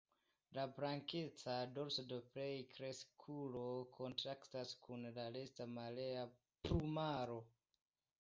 La blankeca dorso de plenkreskulo kontrastas kun la resta malhela plumaro.